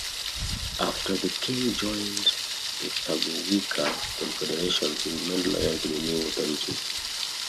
After the king joined the Targowica Confederation he remained loyal to the new authorities.